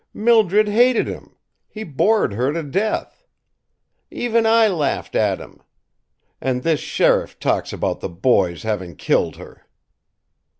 Mildred hated him; he bored her to death. Even I laughed at him. And this sheriff talks about the boy's having killed her!"